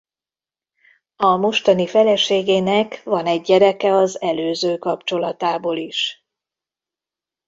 A mostani feleségének van egy gyereke az előző kapcsolatából is.